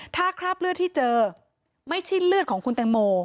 ถ้าคราบเลือดที่เจอไม่ใช่เลือดของคุณแตงโม